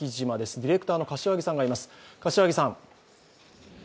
ディレクターの柏木さんです。